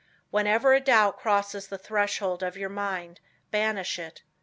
Whenever a doubt crosses the threshold of your mind, banish it.